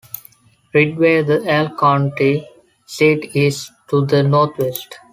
Ridgway, the Elk County seat, is to the northwest.